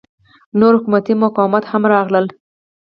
نور حکومتي مقامات هم راغلل.